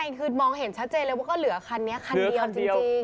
ใช่คือมองเห็นชัดเจนเลยว่าก็เหลือคันนี้คันเดียวจริง